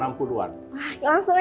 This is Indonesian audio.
wah langsung aja ini